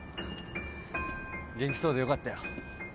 元気そうでよかったよ。